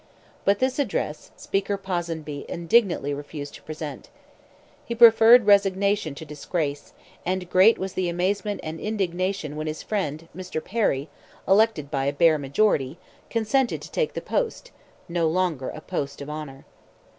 But this address, Speaker Ponsonby indignantly refused to present. He preferred resignation to disgrace, and great was the amazement and indignation when his friend, Mr. Perry, elected by a bare majority, consented to take the post—no longer a post of honour.